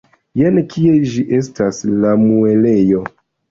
Jen kie ĝi estas, la muelejo!